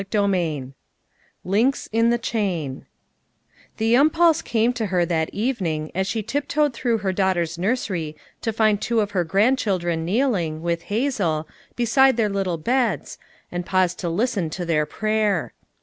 CHAPTER XXIV LINKS IN THIi CHAIN Tnn impulse came to her that evening as she lip toed through her daughter's nursery to find two of her grandchildren kneeling, with Hazel, beside their little beds, and paused to listen to their prayer.